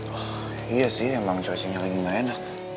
oh iya sih emang cuacanya lagi gak enak